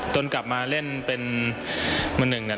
ต้นกลับมาเล่นเป็นมนุษย์